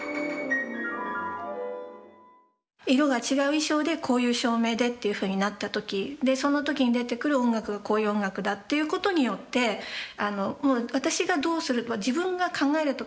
色が違う衣装でこういう照明でというふうになった時その時に出てくる音楽がこういう音楽だということによって私がどうする自分が考えるとかっていうのを超えて